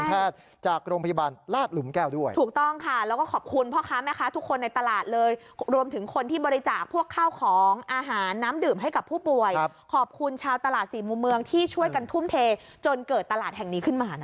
เปิดตลาดแห่งนี้ขึ้นมานะคะ